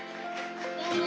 どうも。